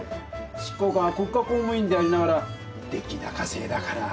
執行官は国家公務員でありながら出来高制だから。